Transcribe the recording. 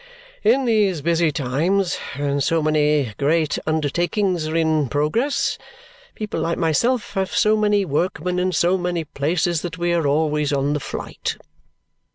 "In these busy times, when so many great undertakings are in progress, people like myself have so many workmen in so many places that we are always on the flight."